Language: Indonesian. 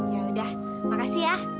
ya udah makasih ya